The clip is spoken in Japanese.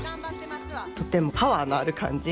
とてもパワーのある感じ。